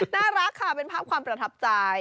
น่ารักค่ะเป็นภาพความประทับใจ